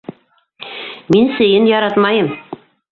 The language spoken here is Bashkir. Мин сейен яратмайым!